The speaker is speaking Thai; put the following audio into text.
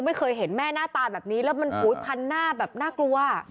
ไม่เคยเห็นแม่หน้าตาแบบนี้แล้วมันผุยพันหน้าแบบน่ากลัว